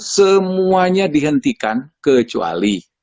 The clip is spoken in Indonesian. semuanya dihentikan kecuali